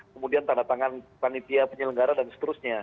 kemudian tanda tangan panitia penyelenggara dan seterusnya